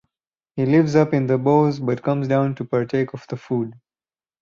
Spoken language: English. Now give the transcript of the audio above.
He lives up in the boughs but comes down to partake of the food.